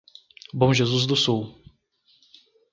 Bom Jesus do Sul